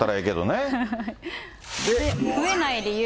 増えない理由。